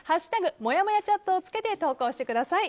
「＃もやもやチャット」をつけて投稿してください。